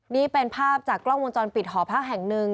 นี่เป็นภาพจากกล้องวงจรปิดหอพักแห่งหนึ่ง